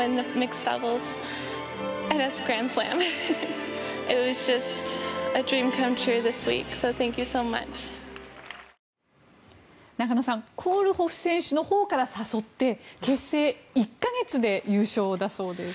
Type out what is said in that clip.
クールホフ選手のほうから誘って結成１か月で優勝だそうです。